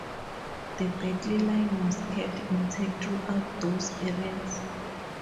The battle line was kept intact throughout those areas.